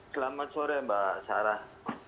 selamat sore mbak sarah